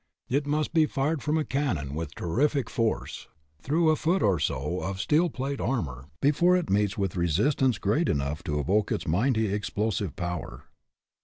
It must be fired from a cannon, with terrific force, through a foot or so of steel plate armor, be fore it meets with resistance great enough to evoke its mighty explosive power.